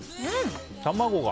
卵が。